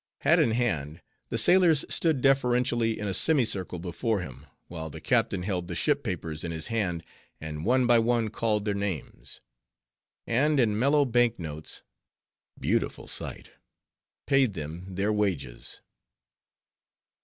Hat in hand, the sailors stood deferentially in a semicircle before him, while the captain held the ship papers in his hand, and one by one called their names; and in mellow bank notes—beautiful sight!—paid them their wages.